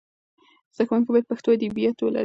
زده کونکي باید پښتو ادبیات ولولي.